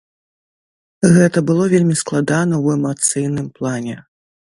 Гэта было вельмі складана ў эмацыйным плане.